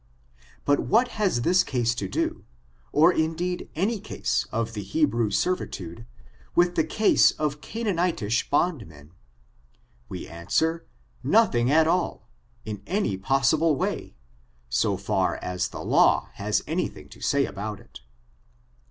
But what has this case to do, or indeed a7iy case of the Hebrew servitude, with the case of Canaanitish bond men? We answer — nothing at all, in any possible way, so far as the law has any thing to say about it.